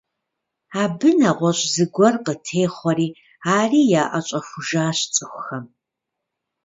Абы нэгъуэщӏ зыгуэр къытехъуэри, ари яӏэщӏэхужащ цӏыхухэм.